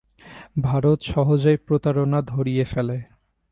ভারত সহজেই প্রতারণা ধরিয়া ফেলে।